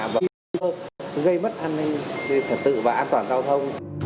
và gây mất an ninh trật tự và an toàn giao thông